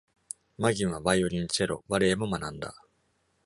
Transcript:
マギンはバイオリン、チェロ、バレエも学んだ。